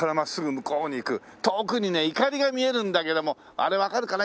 遠くにねいかりが見えるんだけどもあれわかるかな？